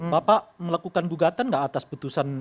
bapak melakukan gugatan nggak atas putusan